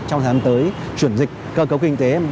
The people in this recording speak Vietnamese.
trong tháng tới chuyển dịch cơ cấu kinh tế